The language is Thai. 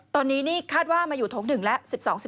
ตอนนี้นี่คาดว่ามาอยู่โถง๑แล้ว